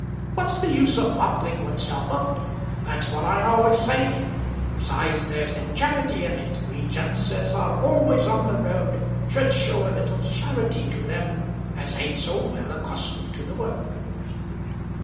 What's the use of bottling oneself up? that's what I always say. Besides, there's no charity in it. We gents as are always on the road should show a little charity to them as ain't so well accustomed to the work."